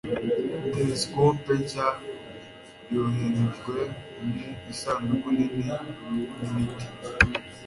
telesikope nshya yoherejwe mu isanduku nini y'ibiti